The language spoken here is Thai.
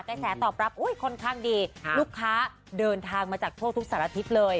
ใกล้แสตอบรับอุ้ยค่อนข้างดีค่ะลูกค้าเดินทางมาจากโทษทุกสัตว์อาทิตย์เลย